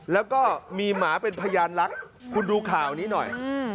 แล้วก็มีหมาเป็นพยานรักคุณดูข่าวนี้หน่อย